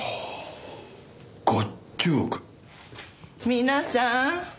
皆さん